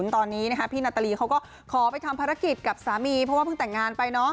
ตอนนี้พี่นาตาลีเขาก็ขอไปทำภารกิจกับสามีเพราะว่าเพิ่งแต่งงานไป